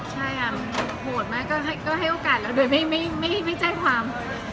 ใช่โหดมากก็ให้โอกาสเราโดยไม่แจ้งความ